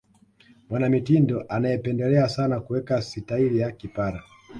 mwanamitindo anayependelea sana kuweka sitaili ya kipara